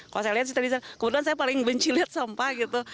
kalau saya lihat sih tadi kebetulan saya paling benci lihat sampah gitu